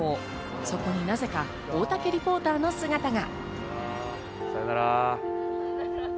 そこになぜか大竹リポーターの姿が。